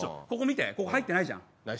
ここ見てここ入ってないじゃん。